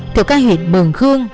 thực các huyện mường khương